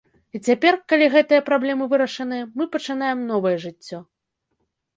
І цяпер, калі гэтыя праблемы вырашаныя, мы пачынаем новае жыццё.